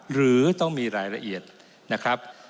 หรือต้องมีรายละเอียดนะครับ